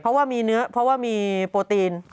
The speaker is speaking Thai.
เพราะว่ามีเนื้อเพราะว่ามีโปรตีน